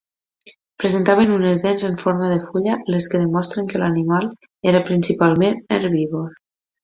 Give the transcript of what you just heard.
Presentaven unes dents en forma de fulla les que demostren que l'animal era principalment herbívor.